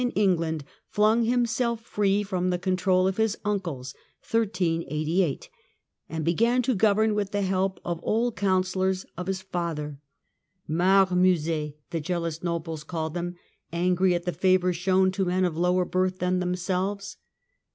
in England flung himself free from the control of his self of age, uncles, and began to govern with the help of old^'^^^ Councillors of his father ; Marmousets the jealous nobles Rule of the called them, angry at the favour shown to men of lower ^g^^!"^°^' birth than themselves.